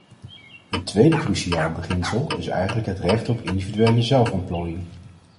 Een tweede cruciaal beginsel is eigenlijk het recht op individuele zelfontplooiing.